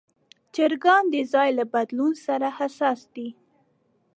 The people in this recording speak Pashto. چرګان د ځای له بدلون سره حساس دي.